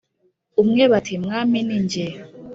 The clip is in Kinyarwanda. umwe bati Mwami ni jye